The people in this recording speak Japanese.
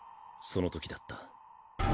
そのときだった。